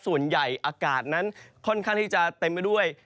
ส่วนใหญ่อากาศนั้นค่อนข้างที่จะเต็มไปด้วย